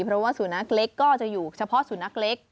เพราะว่าสุนัขเล็กก็จะอยู่เฉพาะสุนัขเล็ก